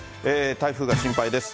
台風が心配です。